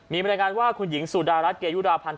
มีบรรยายงานว่าคุณหญิงสุดารัฐเกยุราพันธ์